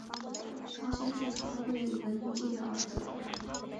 曹协是曹魏文帝儿子。